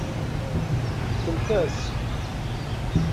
Slet-as!